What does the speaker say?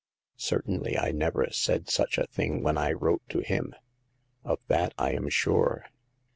Certainly I never said such a thing when I wrote to him. Of that I am sure."